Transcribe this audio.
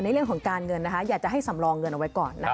ในเรื่องของการเงินนะคะอยากจะให้สำรองเงินเอาไว้ก่อนนะคะ